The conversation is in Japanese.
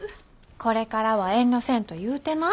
これからは遠慮せんと言うてな。